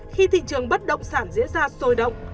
khi thị trường bất động sản diễn ra sôi động